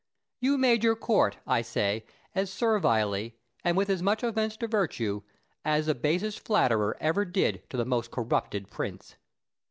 You made your court, I say, as servilely, and with as much offence to virtue, as the basest flatterer ever did to the most corrupted prince.